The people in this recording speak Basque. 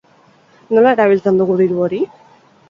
Nola erabiltzen dugu diru hori?